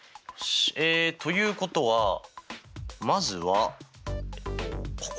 えということはまずはここか。